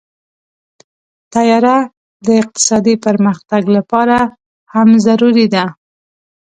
طیاره د اقتصادي پرمختګ لپاره هم ضروري ده.